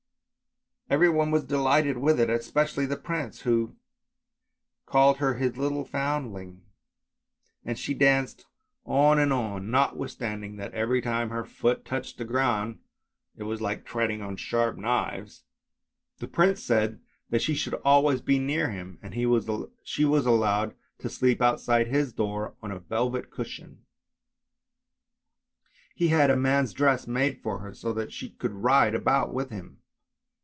Everyone was delighted with it, especially the prince, who called her his little foundling, and she danced on and on, not 16 ANDERSEN'S FAIRY TALES withstanding that every time her foot touched the ground it was like treading on sharp knives. The prince said that she should always be near him, and she was allowed to sleep outside his door on a velvet cushion. He had a man's dress made for her, so that she could ride about with him.